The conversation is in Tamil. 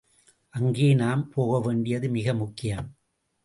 அங்கே நாம் போகவேண்டியது மிக முக்கியம்.